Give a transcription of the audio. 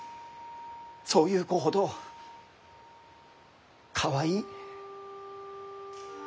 そういう子ほどかわいい。